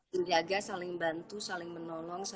menjaga saling bantu saling menolong saling berkata kata